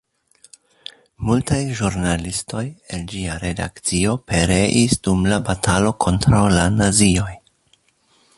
Multaj ĵurnalistoj el ĝia redakcio pereis dum la batalo kontraŭ la nazioj.